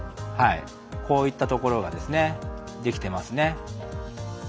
こういったところができてますね。